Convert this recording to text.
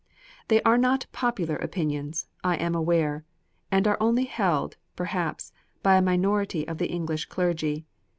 They are not popular opinions, I am aware, and arc only held, perhaps, by a minority of the English clergy.